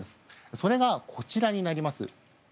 それが、こちらになります。